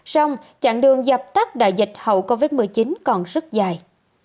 xong chặng đường dập tắt đại dịch hậu covid một mươi chín còn rất dài